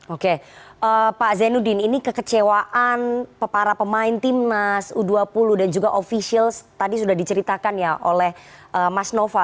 oke pak zainuddin ini kekecewaan para pemain timnas u dua puluh dan juga ofisial tadi sudah diceritakan ya oleh mas nova